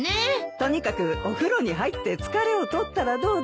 とにかくお風呂に入って疲れを取ったらどうです？